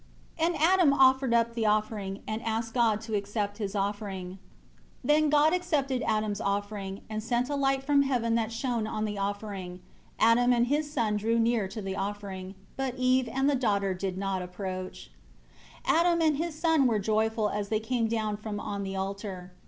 2 And Adam offered up the offering, and asked God to accept his offering. 3 Then God accepted Adam's offering, and sent a light from heaven that shown on the offering. Adam and his son drew near to the offering, but Eve and the daughter did not approach it. 4 Adam and his son were joyful as they came down from on the altar.